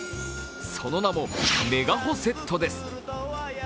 その名も、メガホセットです。